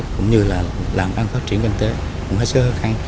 cũng như là làm văn phát triển quân tế cũng hết sức khó khăn